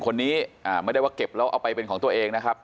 คนนี้ไม่ได้ว่าเก็บแล้วเอาไปเป็นของตัวเองนะครับ